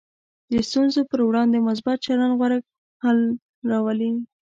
د ستونزو پر وړاندې مثبت چلند غوره حل راولي.